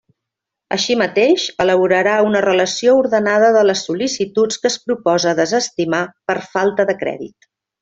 Així mateix elaborarà una relació ordenada de les sol·licituds que es propose desestimar per falta de crèdit.